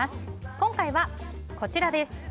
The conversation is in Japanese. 今回は、こちらです。